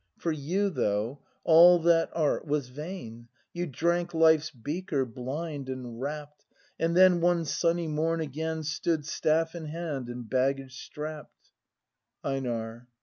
For you, though, all that art was vain, You drank life's beaker, blind and rapt. And then, one sunny morn, again Stood, staff in hand and baggage strapp'd ElNAR.